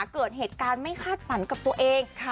เกิดเหตุการณ์ไม่คาดฝันกับตัวเอง